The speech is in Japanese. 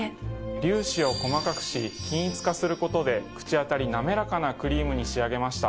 粒子を細かくし均一化することで口当たり滑らかなクリームに仕上げました。